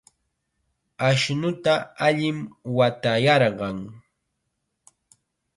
Ashnuta allim watayarqan.